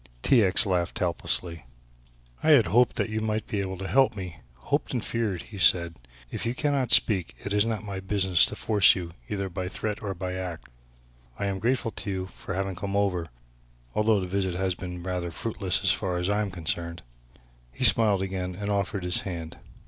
T. X. laughed helplessly. "I had hoped that you might be able to help me, hoped and feared," he said; "if you cannot speak it is not my business to force you either by threat or by act. I am grateful to you for having come over, although the visit has been rather fruitless so far as I am concerned." He smiled again and offered his hand.